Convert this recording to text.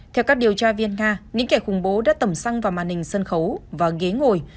theo các điều tra viên nga những kẻ khủng bố đã tẩm xăng vào màn hình sân khấu và ghế ngồi